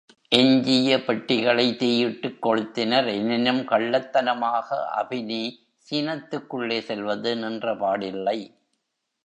எஞ்சிய பெட்டிகளை தீயிட்டுக் கொளுத்தினர், எனினும் கள்ளத்தனமாக அபினி சீனத்துக்குள்ளே செல்வது நின்றபாடில்லை.